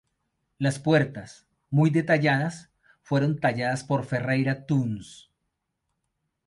Las puertas, muy detalladas, fueron talladas por Ferreira Tunes.